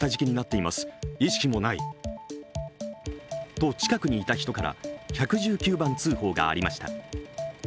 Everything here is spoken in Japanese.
と近くにいた人から１１９番通報がありました。